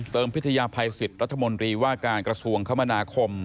พิทยาภัยสิทธิ์รัฐมนตรีว่าการกระทรวงคมนาคม